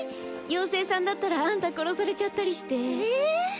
ようせいさんだったらあんた殺されちゃったりしてええっ？